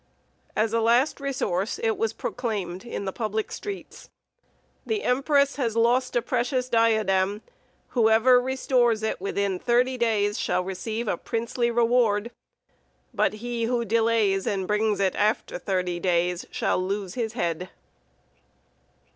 As a last resource it was proclaimed in the public streets: "The empress has lost a precious diadem. Whoever restores it within thirty days shall receive a princely reward. But he who delays, and brings it after thirty days, shall lose his head."